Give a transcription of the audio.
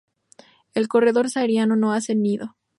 El corredor sahariano no hace nido.